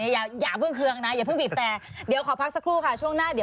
อย่าเพิ่งคล้วงนะลองบีบแต่